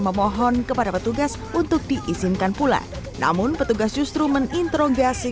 memohon kepada petugas untuk diizinkan pula namun petugas justru menginterogasi